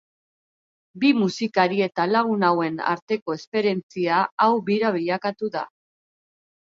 Bi musikari eta lagun hauen arteko esperientzia hau bira bilakatu da.